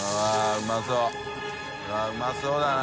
Δ錙うまそうだな。